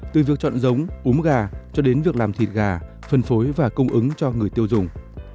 từ việc chọn giống ốm gà cho đến việc làm thịt gà phân phối và cung ứng cho người tiêu dùng